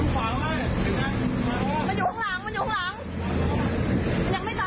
มันอยู่ข้างหลัง